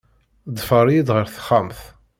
Ḍfer-iyi-d ɣer texxamt.